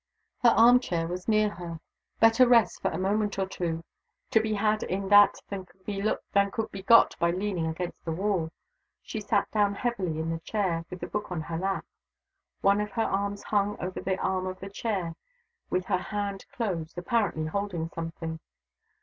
Her arm chair was near her. Better rest, for a moment or two, to be had in that than could be got by leaning against the wall. She sat down heavily in the chair, with the book on her lap. One of her arms hung over the arm of the chair, with the hand closed, apparently holding something.